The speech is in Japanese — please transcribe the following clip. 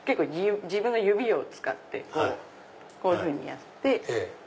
自分の指を使ってこういうふうにやって。